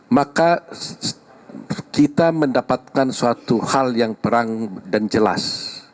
maka kita mendapatkan suatu hal yang perang dan jelas